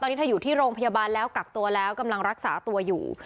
ตอนนี้เธออยู่ที่โรงพยาบาลแล้วกักตัวแล้วกำลังรักษาตัวอยู่